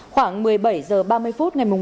khoảng một mươi bảy h ba mươi phút ngày